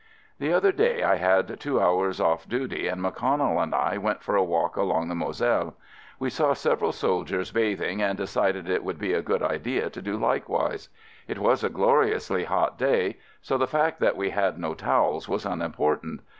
The other day I had two hours off duty and McConnell and I went for a walk along the Moselle. We saw several sol diers bathing and decided it would be a good idea to do likewise. It was a glori ously hot day, so the fact that we had no towels was unimportant.